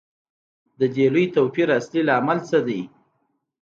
د دې لوی توپیر اصلي لامل څه دی